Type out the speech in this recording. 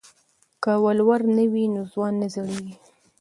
که ولور نه وي نو ځوان نه زړیږي.